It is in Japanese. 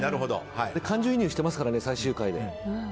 感情移入してますからね最終回で。